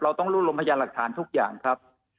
ต้องรวบรวมพยานหลักฐานทุกอย่างครับ